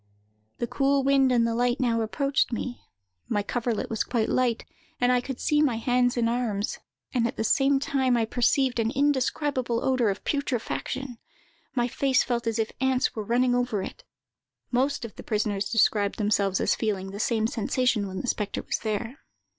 The cool wind and the light now approached me; my coverlet was quite light, and I could see my hands and arms; and at the same time I perceived an indescribable odor of putrefaction; my face felt as if ants were running over it. (Most of the prisoners described themselves as feeling the same sensation when the spectre was there.)